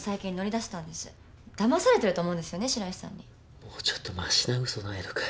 もうちょっとましなうそないのかよ。